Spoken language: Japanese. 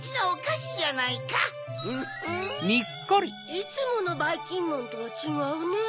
いつものばいきんまんとはちがうね。